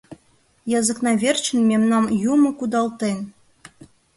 Языкна верчын мемнам юмо кудалтен.